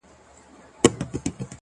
دې وطن کاڼي – گیا ته په ضرر نه یم; خو;